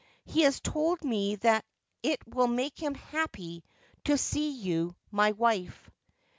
He has told me that it will make him happy to see you my wife.'